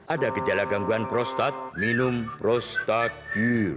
ada gejala gangguan prostat minum prostagil